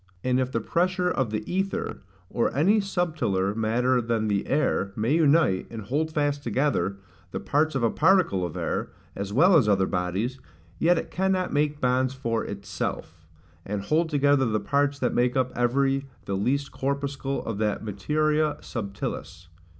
And if the pressure of the aether, or any subtiler matter than the air, may unite, and hold fast together, the parts of a particle of air, as well as other bodies, yet it cannot make bonds for ITSELF, and hold together the parts that make up every the least corpuscle of that MATERIA SUBTILIS.